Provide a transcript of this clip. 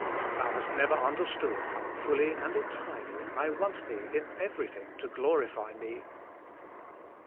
Thou hast never understood how fully and entirely I want thee, in everything , to g lorify Me.